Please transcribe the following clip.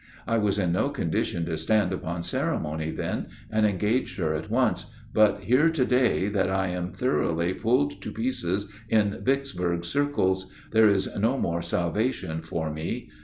I was in no condition to stand upon ceremony then, and engaged her at once, but hear to day that I am thoroughly pulled to pieces in Vicksburg circles; there is no more salvation for me.